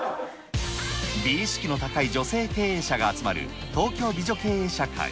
美意識の高い女性経営者が集まる東京美女経営者会。